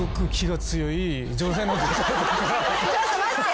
ちょっと待って。